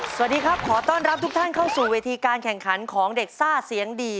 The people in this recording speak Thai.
สวัสดีครับขอต้อนรับทุกท่านเข้าสู่เวทีการแข่งขันของเด็กซ่าเสียงดี